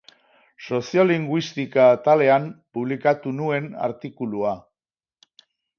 Soziolinguistika atalean publikatu nuen artikulua.